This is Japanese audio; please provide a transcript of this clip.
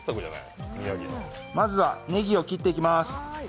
まずはねぎを切っていきます。